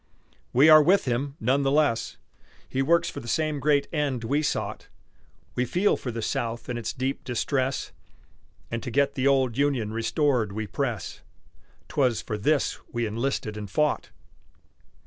We are with him none the less He works for the same great end we sought; We feel for the South in its deep distress, And to get the old Union restored we press 'Twas for this we enlisted and fought.